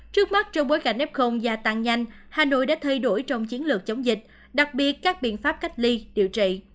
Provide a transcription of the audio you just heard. trước mắt trong bối cảnh f gia tăng nhanh hà nội đã thay đổi trong chiến lược chống dịch đặc biệt các biện pháp cách ly điều trị